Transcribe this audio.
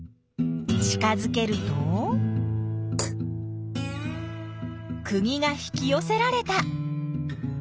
近づけるとくぎが引きよせられた！